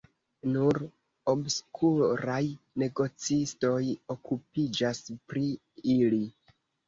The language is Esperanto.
Nur obskuraj negocistoj okupiĝas pri ili.